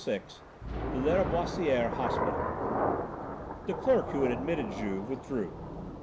VI THE LÂRIBOISIÈRE HOSPITAL The clerk, who had admitted Juve, withdrew, and M.